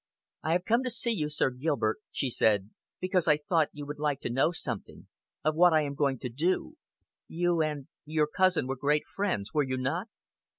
"I have come to see you, Sir Gilbert," she said, because I thought you would like to know something of what I am going to do! you and your cousin were great friends, were you not?"